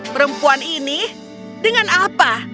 perempuan ini dengan apa